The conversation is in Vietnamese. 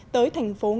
tới thành phố nga